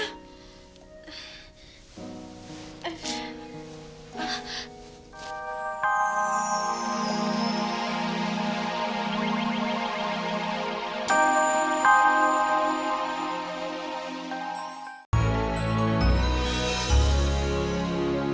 eh kamu jangan bangun dulu